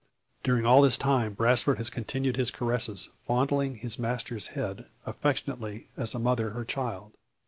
During all this time Brasfort has continued his caresses, fondling his master's head, affectionately as a mother her child.